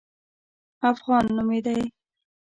افغان نومېدی.